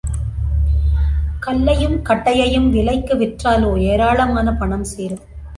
கல்லையும் கட்டையையும் விலைக்கு விற்றாலோ ஏராளமான பணம் சேரும்.